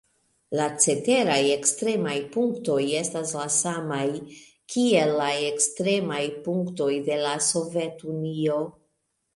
La ceteraj ekstremaj punktoj estas la samaj kiel la ekstremaj punktoj de la Sovetunio.